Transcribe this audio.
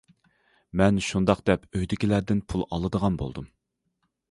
مەن شۇنداق دەپ ئۆيدىكىلەردىن پۇل ئالىدىغان بولدۇم.